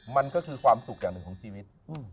มันก็คือความสุขอย่างหนึ่งของชีวิต